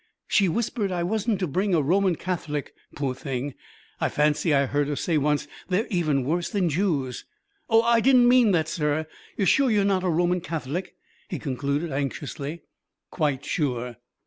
She whispered I wasn't to bring a Roman Catholic, poor thing. I fancy I heard her say once they're even worse than Jews. Oh, I don't mean that, sir. You're sure you're not a Roman Catholic?" he concluded anxiously. "Quite sure."